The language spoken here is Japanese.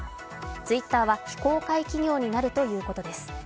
ツイッターは非公開企業になるということです。